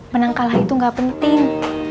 menang kalah itu gak penting